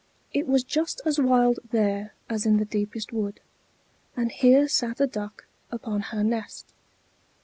It was just as wild there as in the deepest wood, and here sat a Duck upon her nest.